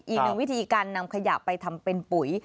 อีกหนึ่งวิธีการนำขยะไปทำเป็นปุ๋ย